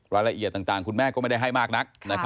รายละเอียดต่างคุณแม่ก็ไม่ได้ให้มากนัก